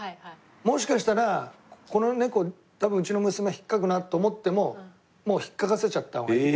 もしかしたらこの猫多分うちの娘引っかくなって思ってももう引っかかせちゃった方がいい。